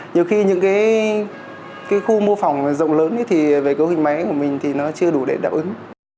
nhiều khi những cái khu mô phòng rộng lớn thì về cấu hình máy của mình thì nó chưa đủ để đáp ứng